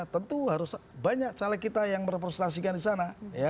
tentu harus banyak caleg kita yang merepresentasikan di sana